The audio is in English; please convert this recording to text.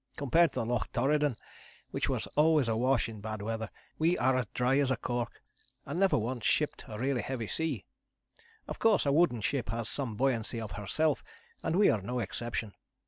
Compared to the Loch Torridon which was always awash in bad weather we are as dry as a cork, and never once shipped a really heavy sea. Of course a wooden ship has some buoyancy of herself, and we are no exception.